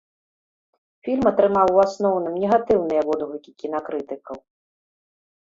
Фільм атрымаў у асноўным негатыўныя водгукі кінакрытыкаў.